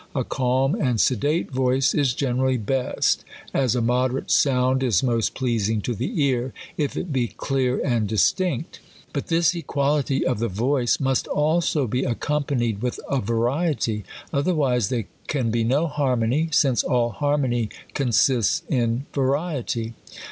A calm and sedate voice is generally best ; I 16 THE COLUMBIAN ORATOR. best ; as a moderate sound is most pleasing to the ear, if it be clear and distinct. But this equality of the voice must also be accompanied with a variety : other wise there can be no hannony ; since all harmony con sists in variety.